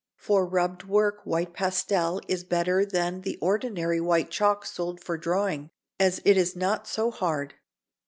For rubbed work white pastel is better than the ordinary white chalk sold for drawing, as it is not so hard.